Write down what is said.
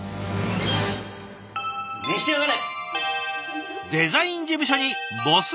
召し上がれ！